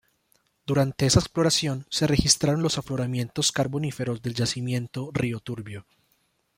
Durante esa exploración se registraron los afloramientos carboníferos del yacimiento Río Turbio.